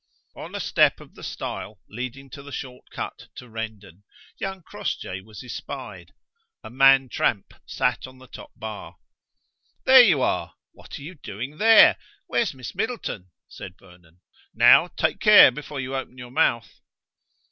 On a step of the stile leading to the short cut to Rendon young Crossjay was espied. A man tramp sat on the top bar. "There you are; what are you doing there? Where's Miss Middleton?" said Vernon. "Now, take care before you open your mouth."